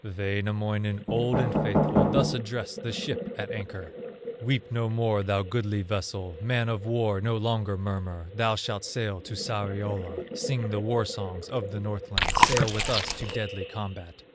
Wainamoinen, old and faithful, Thus addressed the ship at anchor: "Weep no more, thou goodly vessel, Man of war, no longer murmur; Thou shalt sail to Sariola, Sing the war songs of the Northland, Sail with us to deadly combat.